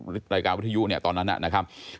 รายการวิทยุเนี่ยตอนนั้นนะครับ